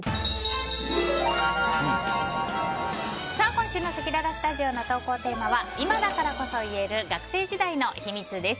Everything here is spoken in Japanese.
今週のせきららスタジオの投稿テーマは今だからこそ言える学生時代の秘密！です。